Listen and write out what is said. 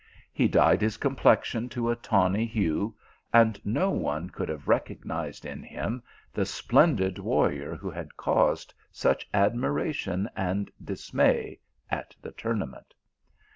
He dyed his complexion to a tawny hue, and no one could have recognized in him the splendid warrior who had caused such admiration and dismay at the tournament.